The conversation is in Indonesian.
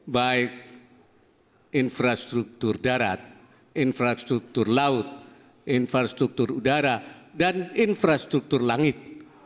baik infrastruktur darat infrastruktur laut infrastruktur udara dan infrastruktur langit